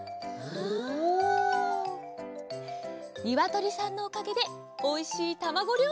にわとりさんのおかげでおいしいたまご